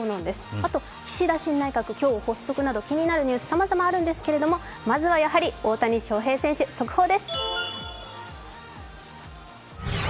あと岸田新内閣今日発足など気になるニュース、さまざまあるんですけどまずはやはり大谷翔平選手、速報です。